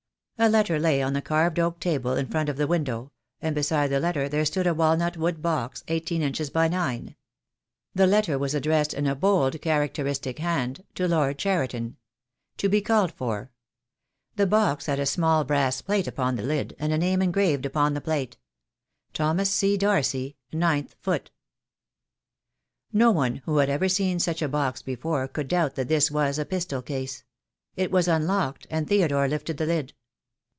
A letter lay on the carved oak table in front of the window, and beside the letter there stood a walnut wood box, eighteen inches by nine. The letter was addressed, in a bold, characteristic hand, to Lord Cheriton. To be called for. The box had a small brass plate upon the lid, and a name engraved upon the plate — Thomas C. Darcy, gth Foot. No one who had ever seen such a box before could doubt that this was a pistol case. It was unlocked, and Theodore lifted the lid.